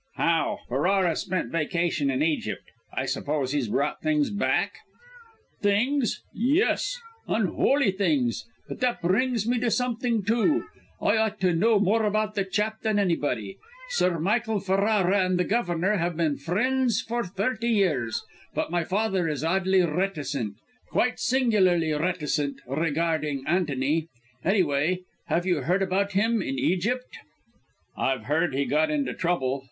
"How? Ferrara spent vacation in Egypt; I suppose he's brought things back?" "Things yes! Unholy things! But that brings me to something too. I ought to know more about the chap than anybody; Sir Michael Ferrara and the governor have been friends for thirty years; but my father is oddly reticent quite singularly reticent regarding Antony. Anyway, have you heard about him, in Egypt?" "I've heard he got into trouble.